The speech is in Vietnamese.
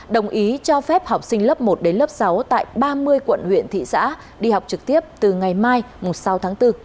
đồng ý cho phép học sinh lớp một đến lớp sáu tại ba mươi quận huyện thị xã đi học trực tiếp từ ngày mai sáu tháng bốn